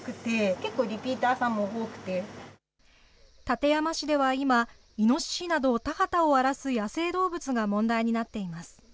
館山市では今、イノシシなど田畑を荒らす野生動物が問題になっています。